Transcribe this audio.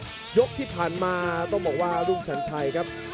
สองยกครับยกที่ผ่านมาต้องบอกว่าลุงสัญชัยครับ